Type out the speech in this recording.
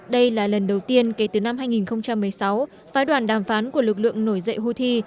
đây là lần đầu tiên kể từ năm hai nghìn một mươi sáu phái đoàn đàm phán của lực lượng nổi dậy houthi